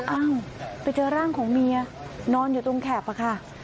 เอ้าไปเจอร่างของเมียนอนอยู่ตรงแข็บอะค่ะ